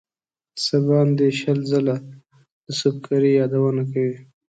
څه باندې شل ځله د سُبکري یادونه کوي.